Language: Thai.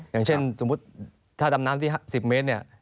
อย่างเช่นสมมุติถ้าดำน้ำที่๕๐เมตรเนี่ย